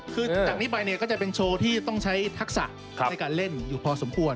คือจากนี้ไปเนี่ยก็จะเป็นโชว์ที่ต้องใช้ทักษะในการเล่นอยู่พอสมควร